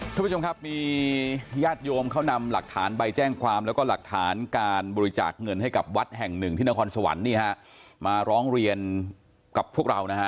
ทุกผู้ชมครับมีญาติโยมเขานำหลักฐานใบแจ้งความแล้วก็หลักฐานการบริจาคเงินให้กับวัดแห่งหนึ่งที่นครสวรรค์นี่ฮะมาร้องเรียนกับพวกเรานะฮะ